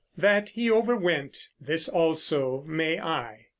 That he overwent; this also may I.